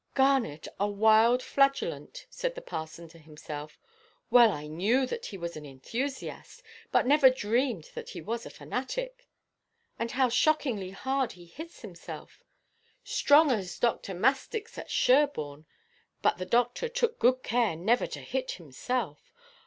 "Garnet a wild flagellant!" said the parson to himself; "well, I knew that he was an enthusiast, but never dreamed that he was a fanatic. And how shockingly hard he hits himself! Strong as Dr. Mastix at Sherborne; but the doctor took good care never to hit himself.